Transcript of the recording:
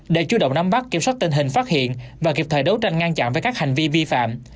để chú động nắm bắt kiểm soát tình hình phát hiện và kịp thời đấu tranh ngăn chặn với các hành vi vi phạm